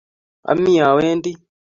Ami awendi